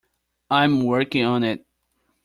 I'm working on it.